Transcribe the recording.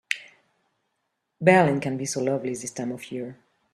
Berlin can be so lovely this time of year.